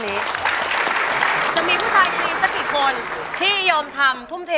น้องพ่อสิให้นำบอก